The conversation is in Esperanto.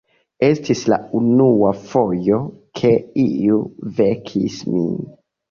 Estis la unua fojo, ke iu vekis min.